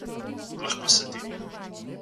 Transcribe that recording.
Lahko sedim?